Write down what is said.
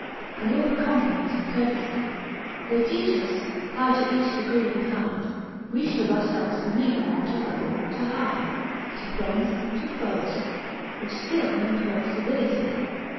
And all the complements of curteiie : They teach us, how to each degree and kynde We fliould our felves demeane, to low, to hie ; To friends, to foes, which (kill men call civility.